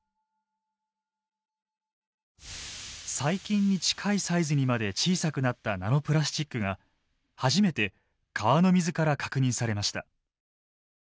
細菌に近いサイズにまで小さくなったナノプラスチックが初めて川の水から確認されました。